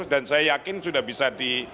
dan saya yakin sudah bisa di